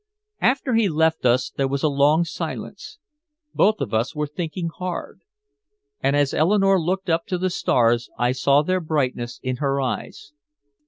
After he left us there was a long silence. Both of us were thinking hard. And as Eleanore looked up to the stars I saw their brightness in her eyes.